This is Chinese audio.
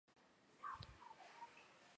带广市